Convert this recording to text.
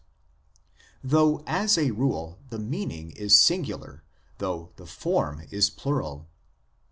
28), though as a rule the meaning is singular though the form is plural.